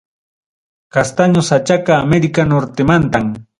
Castaño sachaqa América Nortemantam.